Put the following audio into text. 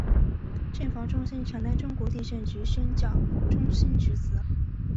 震防中心承担中国地震局宣教中心职责。